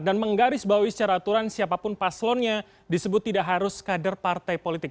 dan menggaris bahwa secara aturan siapapun paslonnya disebut tidak harus kader partai politik